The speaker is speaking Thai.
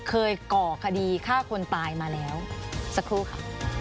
ก่อคดีฆ่าคนตายมาแล้วสักครู่ค่ะ